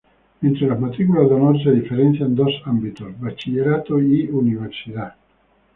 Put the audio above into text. Entre las Matrículas de Honor se diferencian dos ámbitos: bachillerato y universidad.